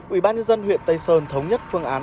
ủy ban nhân dân huyện tây sơn thống nhất phương án